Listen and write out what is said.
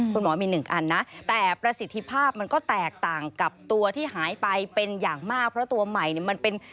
คุณหมอมีหนึ่งอันนะแต่ประสิทธิภาพมันก็แตกต่างกับตัวที่หายไปเป็นอย่างมากเพราะตัวใหม่เนี่ยมันเป็น